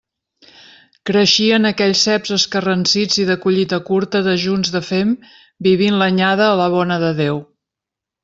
Creixien aquells ceps escarransits i de collita curta dejuns de fem vivint l'anyada a la bona de Déu.